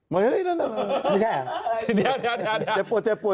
ไม่ใช่เหรอ